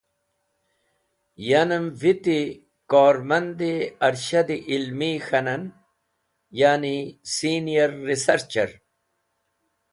Yanem viti kormand-e Arshad-e ilmi k̃hanen, ya’ni senior researcher.